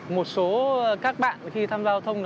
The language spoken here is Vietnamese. một số các bạn khi tham gia giao thông